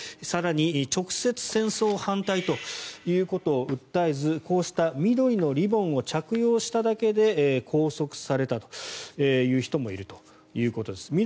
更に、直接戦争反対ということを訴えずこうした緑のリボンを着用しただけで拘束されたという人もいるということです。